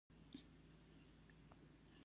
چا نه شي څه در ویلای.